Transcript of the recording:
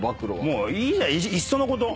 もういいじゃんいっそのこと。